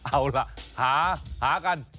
เอาล่ะหากัน